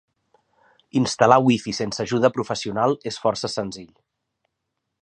Instal·lar wifi sense ajuda professional és força senzill.